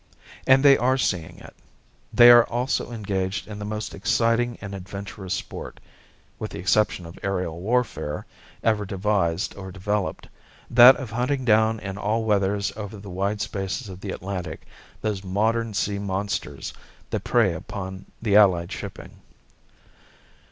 And they are seeing it. They are also engaged in the most exciting and adventurous sport with the exception of aerial warfare ever devised or developed that of hunting down in all weathers over the wide spaces of the Atlantic those modern sea monsters that prey upon the Allied shipping.